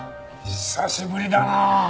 久しぶりだなあ。